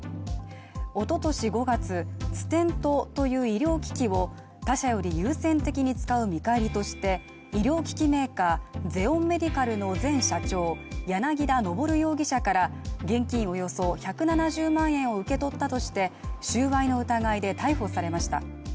おととし５月、ステントという医療機器を他社より優先的に使う見返りとして医療機器メーカー・ゼオンメディカルの前社長・柳田昇容疑者から現金およそ１７０万円を受け取ったとして収賄の疑いで逮捕されました。